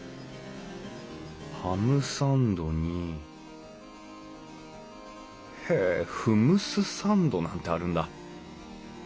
ハムサンドにへえフムスサンドなんてあるんだ。